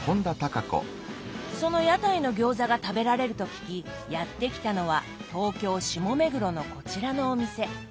その屋台の餃子が食べられると聞きやって来たのは東京・下目黒のこちらのお店。